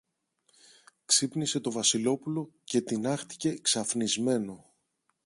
Ξύπνησε το Βασιλόπουλο και τινάχτηκε ξαφνισμένο.